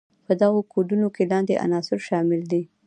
په دغو کودونو کې لاندې عناصر شامل دي.